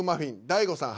大悟さん「